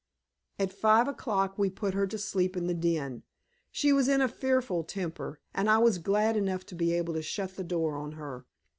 At five o'clock we put her to sleep in the den. She was in a fearful temper, and I was glad enough to be able to shut the door on her.